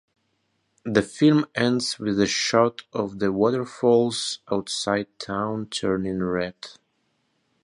The film ends with a shot of the waterfalls outside town turning red.